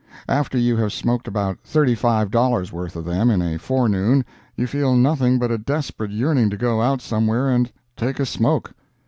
After you have smoked about thirty five dollars worth of them in a forenoon you feel nothing but a desperate yearning to go out somewhere and take a smoke.